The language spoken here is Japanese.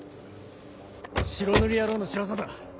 白塗り野郎の仕業だ。